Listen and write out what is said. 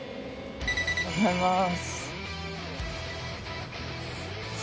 ありがとうございます。